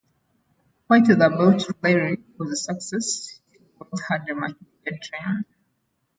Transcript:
While the Belt Railway was a success, Stilwell had a much bigger dream.